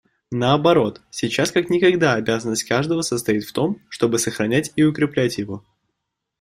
Наоборот, сейчас как никогда обязанность каждого состоит в том, чтобы сохранять и укреплять его.